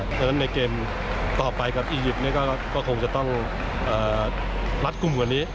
เพราะฉะนั้นในเกมต่อไปกับอียิปต์ก็คงจะต้องรัดกลุ่มกว่านี้